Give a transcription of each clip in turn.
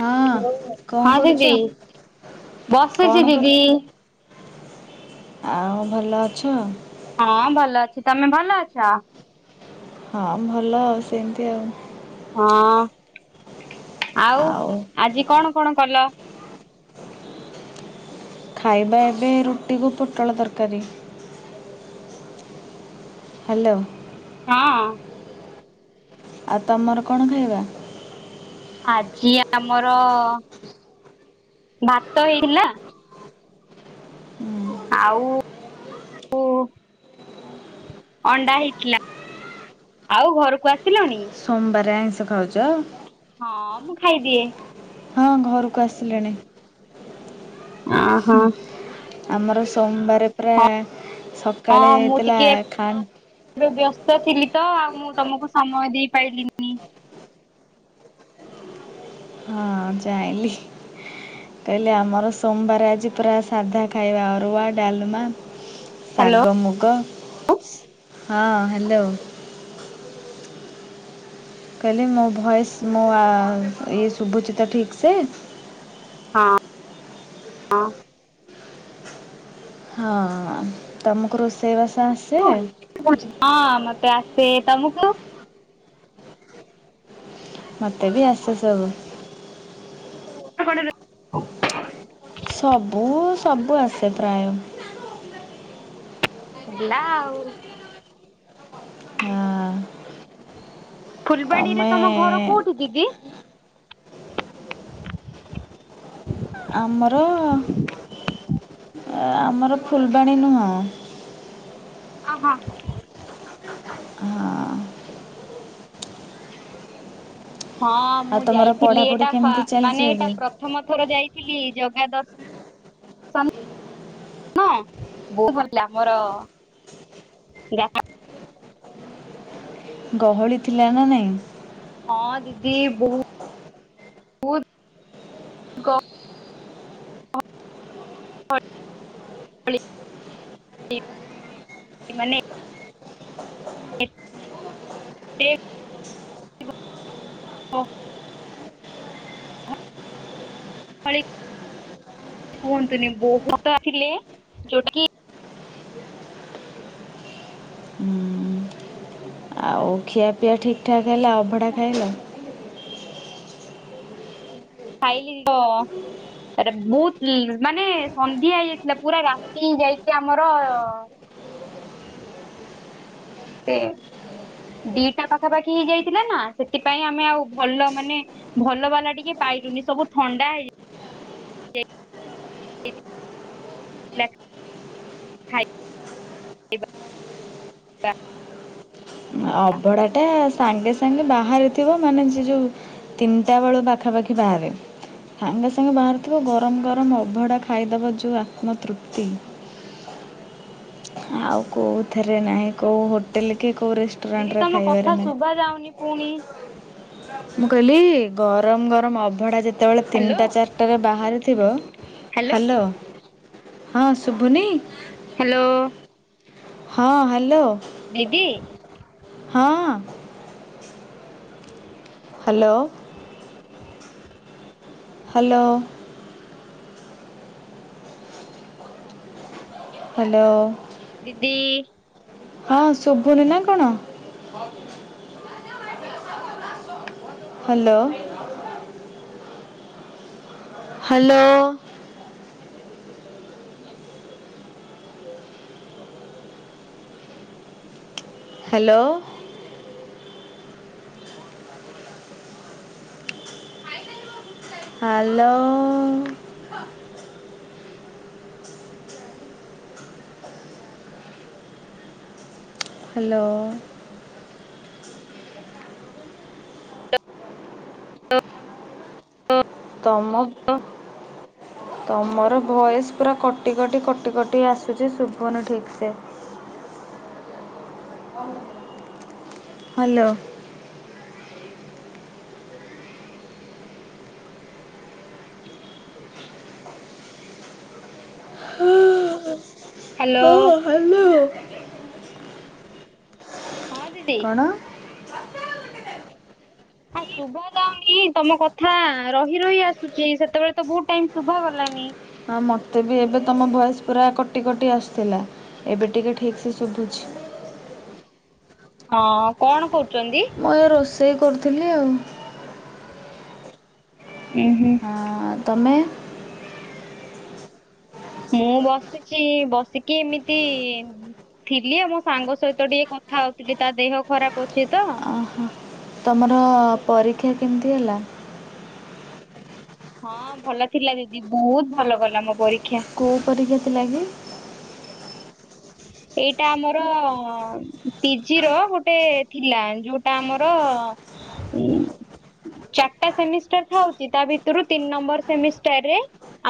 ହଁ କଣ ହଁ ଦିଦି କରୁଚ? ବସିଛି କଣ ଦିଦି କରି ଆଉ ଭଲ ଅଛ? ହଁ ଭଲ ଅଛି, ତମେ ଭଲ ଅଛ? ହଁ ଭଲ ଆଉ, ସେମିତି ଆଉ। ହଁ, ଆଉ ଆଜି କଣ କଣ କଲ? ଖାଇବା ଏବେ, ରୁଟିକୁ ପୋଟଳ ତରକାରୀ। ହାଲୋ। ହଁଅଁ। ଆଉ ତମର କଣ ଖାଇବା? ଆଜି ଆମର ଭାତ ହେଇଥିଲା ହୁଁ, ଆଉ ପୁଅ ଅଣ୍ଡା ହେଇଥିଲା, ଆଉ ଘରକୁ ଆସିଲଣି? ସୋମବାର ଆଇଁଷ ଖାଉଚ? ହଁ, ମୁଁ ଖାଇଦିଏ। ହଁ ଘରକୁ ଆସିଲେଣି। ଅଁ ହ। ଆମର ସୋମବାର ପୁରା ସକାଳେ ହଁ ମୁଁ ହେଇଥିଲା, ଟିକେ ଖା ଏବେ ବ୍ୟସ୍ତ ଥିଲି ତ, ଆଉ ମୁଁ ତମକୁ ସମୟ ଦେଇପାଇଲିନି। ହଁ ଜାଇଁଲି। କହିଲେ ଆମର ସୋମବାର ଆଜି ପୁରା ସାଧା ଖାଇବା, ଅରୁଆ ଡାଲମା। ହ୍ୟାଲୋ ଶାଗ ମୁଗ, ହଁ ହଁ ହାଲୋ କହିଲେ ମୋ ଭଏସ୍, ମୋ ଇଏ ଶୁଭୁଚିତ ଠିକ୍ ସେ? ହଁ, ହଁ। ହଁ, ତମକୁ ରୋଷେଇବାସ ଆସେ? ହଁ, ମତେ ଆସେ, ତମକୁ? ମତେ ବି ଆସେ ସବୁ। [unintelligible] ସବୁ, ସବୁ ଆସେ ପ୍ରାୟ। ହେଲା ଆଉ। ଫୁଲବାଣୀରେ ତମେ ତମ ଘର କୋଉଠି ଦିଦି? ଆମର, ଆମର ଫୁଲବାଣୀ ନୁହଁ। ଅ ହଁ। ହଁ, ଆଉ ମୁଁ ତମର ଯାଇଥିଲି ପଢ଼ାପଢ଼ି ଏଇଟା, କେମିତି ଚାଲିଛି ମାନେ ଏଇଟା ଏବେ? ପ୍ରଥମ ଥର ଯାଇଥିଲି, ଜଗା ଦର୍ଶ [unintelligible] [unintelligible] ଗହଳି ଥିଲା ନା ନାଇଁ? ହଁ, ଦିଦି ବହୁତ ଗହଳି ମାନେ [inaudible] କୁହନ୍ତୁନି ବୋହୂଟା ଆସିଲେ ଯୋଉଟା କି? ହଁ ଆଉ ହଉ ଖିଆପିଆ ଠିକ୍ ଠାକ୍ ହେଲା ଅଭଡ଼ା ଖାଇଲ। ଖାଇଲି ଲୋ। ବହୁତ ମାନେ ସନ୍ଧ୍ୟା ହେଇଯାଇଥିଲା ପୁରା ରାତି ଯାଇଚି ଆମର। ହୁଁ ଦିଟା ପାଖାପାଖି ହେଇଯାଇଥିଲା ନା ସେଥିପାଇଁ ଆମେ ଆଉ ଭଲ ମାନେ ଭଲ ବାଲା ଟିକେ ପାଇଲୁନି ସବୁ ଥଣ୍ଡା ହେଇଯ ହେଇଯାଇଥିଲା ଖାଇବା। ଅବଢା ଟା ସାଙ୍ଗେ ସାଙ୍ଗେ ବାହାରିଥିବ ମାନେ ଯିଏ ଯୋଉ ତିନିଟା ବେଳ ପାଖାପାଖି ବାହାରେ। ସାଙ୍ଗେ ସାଙ୍ଗେ ବାହାରୁଥିବ ଗରମ ଗରମ ଅଭଡା ଖାଇଦବ ଯୋଉ ଆତ୍ମ ତୃପ୍ତି। ଆଉ କୋଉଥିରେ ନାହିଁ କୋଉ ହୋଟେଲ କି କୋଉ ରେଷ୍ଟ ଦିଦି ତମ କଥା ଶୁଭା ଯାଉନି ପୁଣି ମୁଁ କହିଲି ଗରମ ଗରମ ଅବଢ଼ା ଯଦି ଯେତେବେଳେ ହ୍ୟାଲୋ ତିନିଟା ଚାରିଟାରେ ବାହାରିଥିବ ହ୍ୟାଲୋ ହଁ ଶୁଭୁନି? ହ୍ୟାଲୋ। ହଁ ହ୍ୟାଲୋ। [inaudible] ହଁ। ହ୍ୟାଲୋ। ହ୍ୟାଲୋ। ହ୍ୟାଲୋ। ଦିଦି। ହଁ ଶୁଭୁନି ନା କଣ? Hello. Hello. Hello. Hello. Hello. ତମ ତମର ଭଏସ୍ ପୁରା କଟି କଟି କଟି କଟି ଆସୁଛି ଶୁଭୁନି ଠିକ୍ ସେ। ହ୍ୟାଲୋ। ହ୍ୟାଲୋ। ହାଲୋ। ହଁ ଦିଦି। କଣ ହଁ ଶୁଭା ଯାଉନି ତମ କଥା ରହି ରହି ଆସୁଛି ସେତେବେଳେ ତ ବହୁତ ଟାଇମ୍ ଶୁଭା ଗଲାନି। ହଁ ମୋତେ ବି ଏବେ ତମ ଭଏସ୍ ପୁରା କଟି କଟି ଆସୁଥିଲା ଏବେ ଟିକେ ଠିକ୍ ସେ ଶୁଭୁଛି। ହଁ କଣ କରୁଚନ୍ତି? ମୁଁ ଏ ରୋଷେଇ କରୁଥିଲି ଆଉ ଉୁଁ ହୁଁ। ହ ତମେ ମୁଁ ବସିଛି ବସିକି ଏମିତି ଥିଲି ମୋ ସାଙ୍ଗ ସହିତ ଟିକେ କଥା ହଉଥିଲି ତା ଦେହ ଖରାପ ଅଛି ତ। ଓହୋ। ତମର ପରୀକ୍ଷା କେମିତି ହେଲା? ହଁ ଭଲ ଥିଲା ଦିଦି ବହୁତ ଭଲ କଲା ମୋ ପରୀକ୍ଷା। କୋଉ ପରୀକ୍ଷା ଥିଲାକି? ଏଇଟା ଆମର ପିଜିର ଗୋଟେ ଥିଲା ଯୋଉଟା ଆମର ଚାରିଟା ସେମିଷ୍ଟାର ଥାଉଛି ତା ଭିତରୁ ତିନି ନମ୍ବର ସେମିଷ୍ଟାର ରେ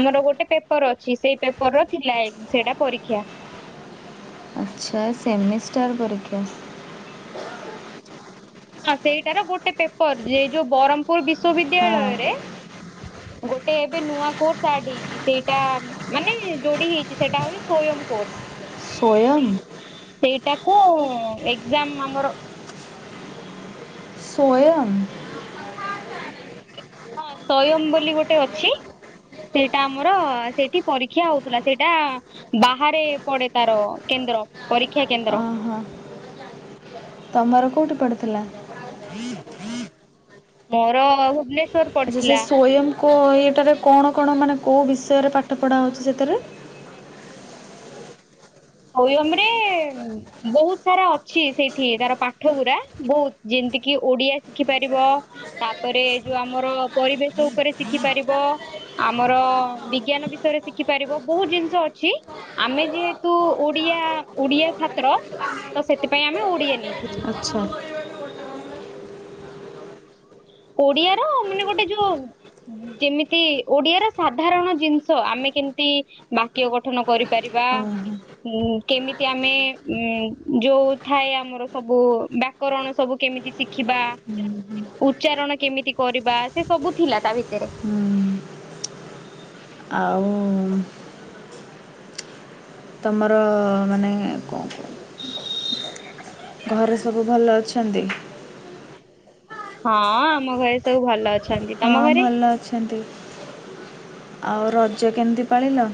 ଆମର ଗୋଟେ ପେପର ଅଛି ସେଇ ପେପର ର ଥିଲା ସେଇଟା ପରୀକ୍ଷା। ଆଚ୍ଛା ସେମିଷ୍ଟାର ପରୀକ୍ଷା। ହଁ ସେଇଟାର ଗୋଟେ ପେପର ଯ ଯୋଉ ବ୍ରହ୍ମପୁର ହଁ। ବିଶ୍ଵବିଦ୍ୟାଳୟରେ ଗୋଟେ ଏବେ ନୂଆ କୋର୍ସ୍ ଆାର୍ଡ ହେଇଛି ସେଇଟା ମାନେ ଯୋଡି ହେଇଛି ସେଟା ହଉଛି ସ୍ଵୟଂ କୋର୍ସ। ସ୍ଵଂୟ? ସେଇଟାକୁ ଏକ୍ଜାମ ଆମର ସ୍ଵଂୟ? ହଁ ସ୍ୱୟମ୍ ବୋଲି ଗୋଟେ ଅଛି। ସେଇଟା ଆମର ସେଇଠି ପରୀକ୍ଷା ହଉଥିଲା ସେଇଟା ବାହାରେ ପଡେ ତାର କେନ୍ଦ୍ର ପରୀକ୍ଷା କେନ୍ଦ୍ର। ଅହଁ ତମର କେଉଁଠି ପଡ଼ୁଥିଲା? ମୋର ଭୁବନେଶ ଆଚ୍ଛା ସେ ସ୍ଵୟଂ କୋ ଇଏଟାରେ କଣ କଣ ମାନେ କୋଉ ବିଷୟରେ ପାଠ ପଢ଼ା ହଉଛି ସେଥେରେ? ସ୍ୱୟଂ ରେ ବହୁତ ସାରା ଅଛି ସେଇଠି ତାର ପାଠ ଗୁରା ବହୁତ ଯେମିତି କିି ଓଡିଆ ଶିଖି ପାରିବ। ତାପରେ ଯୋଉ ଆମର ପରିବେଶ ଉପରେ ଶିଖି ପାରିବ। ଆମର ବିଜ୍ଞାନ ବିଷୟରେ ଶିଖିପାରିବ ବହୁତ ଜିନିଷ ଅଛି ଆମେ ଯେ ତୁ ଓଡିଆ ଓଡିଆ ଛାତ୍ର ତ ସେଥିପାଇଁ ଆମେ ଓଡିଆ ନେଇଥିଲୁ। ଆଚ୍ଛା। ଓଡିଆ ର ମାନେ ଗୋଟେ ଯୋଉ ଯେମିତି ଓଡିଆ ର ସାଧାରଣ ଜିନିଷ ଆମେ କେମିତି ବାକ୍ୟ ଗଠନ କରିପାରିବା। ଓହୋ ହୁଁ କେମିତି ଆମେ ଯୋଉ ଥାଏ ଆମର ସବୁ ବା ବକ୍ୟାରଣ ସବୁ କେମିତି ଶିଖିବା? ହୁଁ ହୁଁ। ଉଚ୍ଚାରଣ କେମିତି କରିବା ସେ ସବୁ ଥିଲା ତା ଭିତରେ। ହୁଁ। ଆଉ ତୁମର ମାନେ ଘରେ ସବୁ ଭଲ ଅଛନ୍ତି? ହଁ ଆମ ଘରେ ସବୁ ଭଲ ଅଛନ୍ତି। ତମ ହଁ ଘରେ? ଭଲ ଅଛନ୍ତି ଆଉ ରଜ କେମିତି ପାଳିଲ?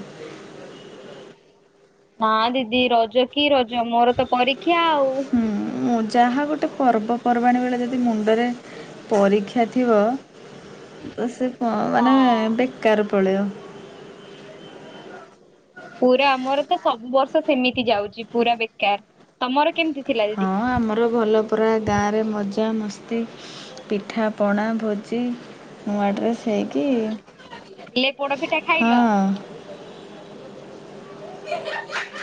ନା ଦିଦି ରଜ କି ରଜ ମୋର ତ ପରୀକ୍ଷା ଆଉ। ହୁଁ ମୁଁ ଯାହା ଗୋଟେ ପର୍ବପର୍ବାଣୀ ବେଳେ ଯଦି ମୁଣ୍ଡରେ ପରୀକ୍ଷା ଥିବ ସେ ମାନେ ହଁ ବେକାରର ପଲେଇବ। ପୁରା ଆମର ତ ସବୁ ବର୍ଷ ସେମିତି ଯାଉଛି ପୁରା ବେକାର ତମର କେମିତି ଥିଲା? ଦିଦି ହଁ-ଅ-ଅ ଆମର ଭଲ ପୁରା ଗାଆଁରେ ମଜା ମସ୍ତି। ପିଠାପଣା ଭୋଜି ନୂଆ ଡ୍ରେସ୍ ହେଇକି ହେଲେ ପୋଡପିଠା ଖାଇଲ? ହଁ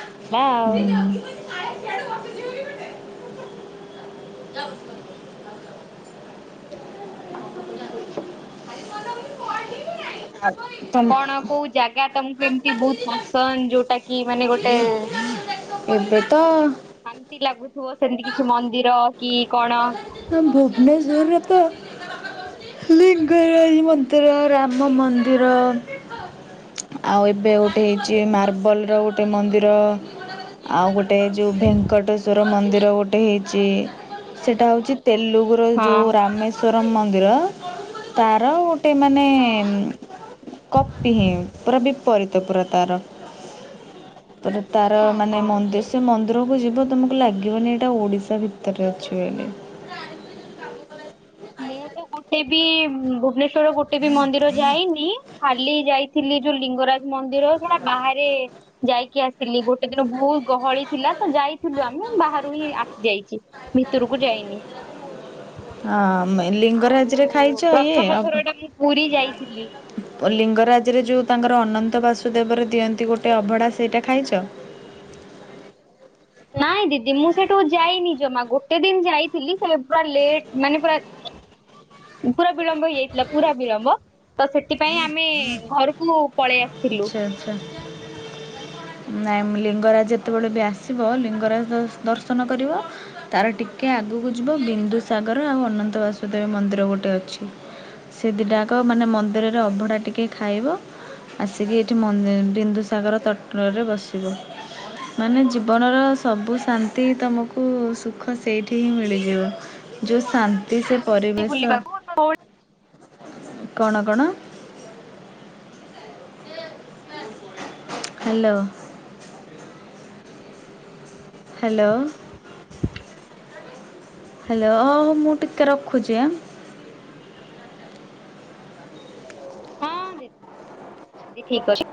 ହେଲା ଆଉ ବିରିୟାନୀ [unintelligible] କଣ କୋଉ ଜାଗା ତମକୁ ଏମିତି ବହୁତ ପସନ୍ଦ ଯୋଉଟା କି ମାନେ ଗୋଟେ ଏବେ ତ ଶାନ୍ତି ଲାଗୁଥିବ ସେମିତି କିଛି ମନ୍ଦିର କି କଣ? ମ୍ୟାମ୍ ଭୁବନେଶ୍ୱରରେ ତ ଲିଙ୍ଗରାଜ ମନ୍ଦିର, ରାମ ମନ୍ଦିର ଆଉ ଏବେ ଗୋଟେ ହେଇଛି ମାର୍ବଲର ଗୋଟେ ମନ୍ଦିର ଆଉ ଗୋଟେ ଯୋଉ ଭେଙ୍କଟେଶ୍ଵର ମନ୍ଦିର ଗୋଟେ ହେଇଚି, ସେଇଟା ହଉଚି ତେଲୁଗୁର ହଁ ଯୋଉ ରାମେଶ୍ୱରମ ମନ୍ଦିର ତାର ଗୋଟେ ମାନେ ହଁ କପି ହିିଁ ପୁରା ବିପରୀତ ପୁରା ତାର। ପୁରା ତାର ହଁ ମାନେ ହଁ ମନ୍ଦିସ୍ ସେ ମନ୍ଦିରକୁ ଯିବ ତମକୁ ଲାଗିବନି ଏଇଟା ଓଡ଼ିଶା ଭିତରେ ଅଛି ବୋଲି। ମୁଁ ତ ଗୋଟେ ବି ଭୁବନେଶ୍ଵରର ଗୋଟେ ବି ମନ୍ଦିର ଯାଇନି, ଖାଲି ଯାଇ ଥିଲି ଯୋଉ ଲିଙ୍ଗରାଜ ମନ୍ଦିର ସେଟା ବାହାରେ ଯାଇକି ଆସିଲି, ଗୋଟେ ଦିନ ବହୁତ ଗହଳି ଥିଲା ତ ଯାଇଥିଲୁ ଆମେ ବାହାରୁ ହିଁ ଆସି ଯାଇଚି ଭିତରକୁ ଯାଇନି। ହଁ-ଅ-ଅ ମେ ଆଉ ଲିଙ୍ଗରାଜରେ ଖାଇଛ ଇଏ ପ୍ରଥମ ଅଭ ଥର ଟା ମୁଁ ପୁରୀ ଯାଇଥିଲି ପ ଲିଙ୍ଗରାଜରେ ଯୋଉ ତାଙ୍କର ଅନନ୍ତ ବାସୁଦେବର ଦିଅନ୍ତି ଗୋଟେ ଅଭଡ଼ା ସେଇଟା ଖାଇଛ? ନାଇଁ ଦିଦି ମୁଁ ସେଠୁକୁ ଯାଇନି ଜମା ଗୋଟେ ଦିନ ଯାଇଥିଲି ସେ ପୁରା ଲେଟ୍ ମାନେ ପୁରା ପୁରା ବିଳମ୍ବ ହେଇଯାଇଥିଲା, ପୁରା ବିଳମ୍ବ। ତ ସେଥିପାଇଁ ଆମେ ଘରକୁ ପଳେଇ ଆସିଥିଲୁ। ଆଚ୍ଛା ଆଚ୍ଛା। ନାଇଁ ଲିଙ୍ଗରାଜ ଯେତେବେଳେ ବି ଆସିବ ଲିଙ୍ଗରାଜ ଦ ଦର୍ଶନ କରିବ ତାର ଟିକେ ଆଗକୁ ଯିବ ବିନ୍ଦୁସାଗର ଆଉ ଅନନ୍ତ ବାସୁଦେବ ମନ୍ଦିର ଗୋଟେ ଅଛି। ସେ ଦିଟା ଯାକ ମାନେ ମନ୍ଦିରରେ ଅଭଡା ଟିକେ ଖାଇବ। [unintelligible] ଏଇଠି ମନ୍ ବିନ୍ଦୁସାଗର ତଟରେ ବସିବ। ମାନେ ଜୀବନର ସବୁ ଶାନ୍ତି ତମକୁ ସୁଖ ସେଇଠି ହିଁ ମିଳିଯିବ। ଯୋଉ ଶାନ୍ତି ସେ ପରିବେଶ। ବୁଲିବାକୁ। କଣ କଣ? ହ୍ୟାଲୋ। ହ୍ୟାଲୋ। ହ୍ୟାଲୋ-ଅ-ଅ-ଅ ମୁଁ ଟିକେ ରଖୁଛି ଆଁ ହଁ ଦି-ଦି ଠିକ୍ ଅଛି।